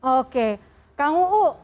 oke kang uu